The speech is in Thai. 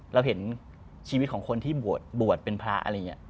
เราเห็นชีวิตของคนที่บวชเป็นพระอะไรอย่างนี้